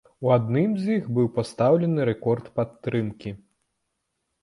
У адным з іх быў пастаўлены рэкорд падтрымкі.